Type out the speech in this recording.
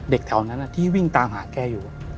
แถวนั้นที่วิ่งตามหาแกอยู่